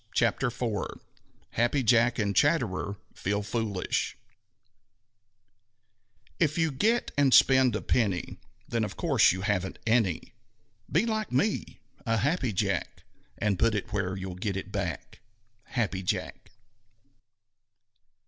CHAPTER IV HAPPY JACK AND CHATTERER FEEL FOOLISH If you get and spend a penny, Then of course you haven't any. Be like me a Happy Jack And put it where you'll get it back. _Happy Jack.